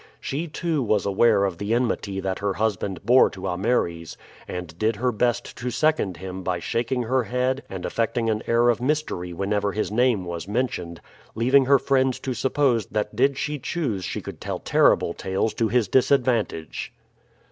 She, too, was aware of the enmity that her husband bore to Ameres, and did her best to second him by shaking her head and affecting an air of mystery whenever his name was mentioned, leaving her friends to suppose that did she choose she could tell terrible tales to his disadvantage.